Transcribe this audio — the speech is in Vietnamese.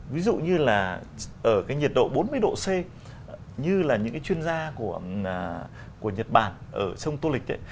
ví dụ như là ở cái nhiệt độ bốn mươi độ c như là những cái chuyên gia của nhật bản ở sông tô lịch ấy